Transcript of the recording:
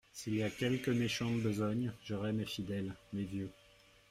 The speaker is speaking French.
S’il y a quelque méchante besogne, j’aurai mes fidèles, mes vieux.